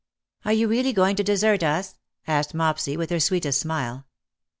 " Are you really going to desert us ?" asked Mopsy, with her sweetest smile.